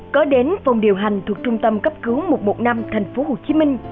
có đến phòng điều hành thuộc trung tâm cấp cứu một trăm một mươi năm thành phố hồ chí minh